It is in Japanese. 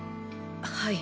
はい。